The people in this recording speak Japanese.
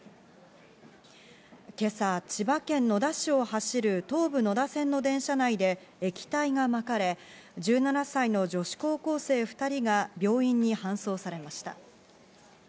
今朝、千葉県野田市を走る東武野田線の電車内で液体がまかれ、１７歳の女子高生２人が病院に搬送されました。